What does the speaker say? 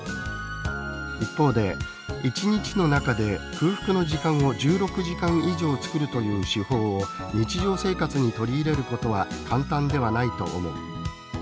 一方で「一日の中で空腹の時間を１６時間以上つくるという手法を日常生活に取り入れることは簡単ではないと思う」